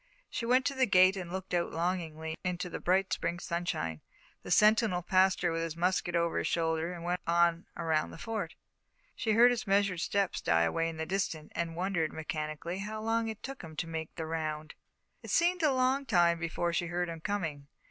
She went to the gate and looked out longingly into the bright Spring sunshine. The sentinel passed her with his musket over his shoulder, and went on around the Fort. She heard his measured steps die away in the distance, and wondered, mechanically, how long it took him to make the round. It seemed a long time before she heard him coming.